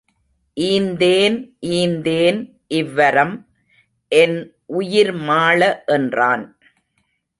ஈந்தேன் ஈந்தேன் இவ்வரம் என் உயிர்மாள என்றான்.